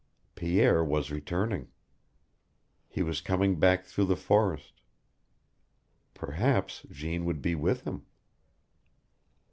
Pierre was returning. He was coming back through the forest. Perhaps Jeanne would be with him.